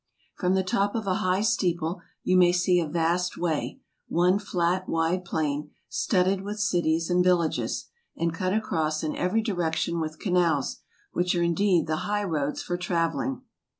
From the top of a high steeple you may see a vast way, one flat wide plain, studded with cities and villages, and cut across in every direction with canals, which are indeed the high roads for travelling.